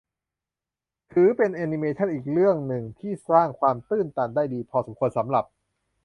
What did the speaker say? ถือเป็นแอนิเมชั่นอีกเรื่องที่สร้างความตื้นตันได้ดีพอสมควรสำหรับ